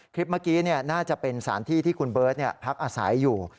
คลิปเมื่อกี้น่าจะเป็นสารที่ที่คุณเบิร์ตพักอาศัยอยู่